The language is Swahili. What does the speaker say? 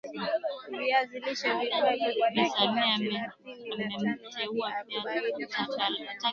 viazi lishe vipikwe kwa dakika thelathini na tano hadi arobaini na tano